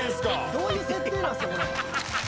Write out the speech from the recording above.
どういう設定なんすか？